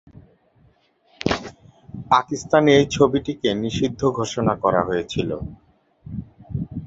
পাকিস্তানে এই ছবিটিকে নিষিদ্ধ ঘোষণা করা হয়েছিল।